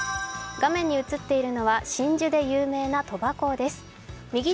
画面に映っているのは真珠で有名な鳥羽港です。